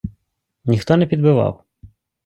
- Ніхто не підбивав.